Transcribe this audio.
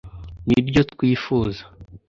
ni ryo twifuza